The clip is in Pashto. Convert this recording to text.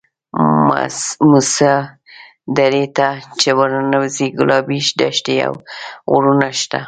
موسی درې ته چې ورننوځې ګلابي دښتې او غرونه شته.